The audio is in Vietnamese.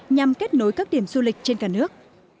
nhằm kết nối các điểm du lịch trên cả nước